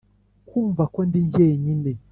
kumva ko ndi jyenyine